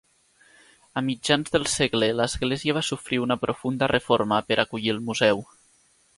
A mitjans del segle l'Església va sofrir una profunda reforma per acollir el Museu.